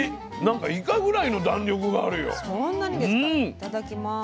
いただきます。